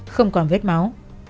không còn vết máu